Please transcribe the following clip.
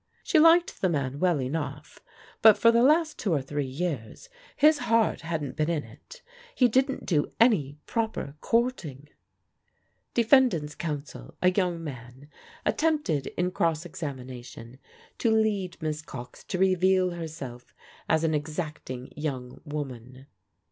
She liked the man well enough; but for the last two or three years "his heart hadn't been in it. He didn't do any proper courting." Defendant's counsel (a young man) attempted in cross examination to lead Miss Cox to reveal herself as an exacting young woman.